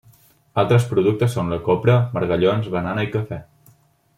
Altres productes són la copra, margallons, banana i cafè.